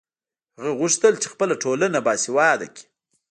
هغه غوښتل چې خپله ټولنه باسواده کړي.